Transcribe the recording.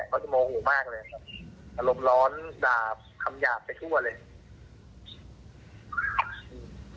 เขาจะโมโหมากเลยครับอารมณ์ร้อนด่าคำหยาบไปทั่วเลย